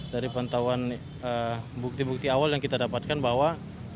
dari pantauan bukti bukti awal yang kita dapatkan bahwa